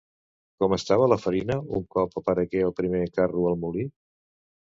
Com estava la farina un cop aparegué el primer carro al molí?